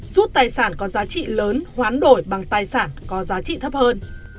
rút tài sản có giá trị lớn hoán đổi bằng tài sản có giá trị thấp hơn